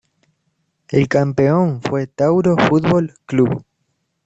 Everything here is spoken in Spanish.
El campeón fue Tauro Fútbol Club.